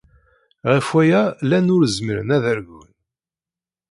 Ɣef waya, llan ur zmiren ad argun.